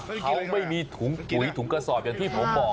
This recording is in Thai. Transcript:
เพราะว่าเขาไม่มีถุงกุยถุงกระสอบอย่างที่ผมบอก